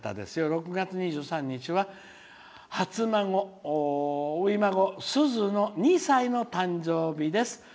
「６月２３日は初孫、おい孫すずの２歳の誕生日です。